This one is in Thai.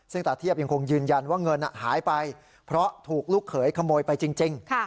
ซึ่งตาเทียบยังคงยืนยันว่าเงินหายไปเพราะถูกลูกเขยขโมยไปจริง